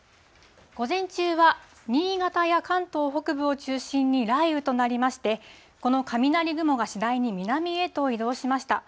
午前中は、新潟や関東北部を中心に雷雨となりまして、この雷雲が次第に南へと移動しました。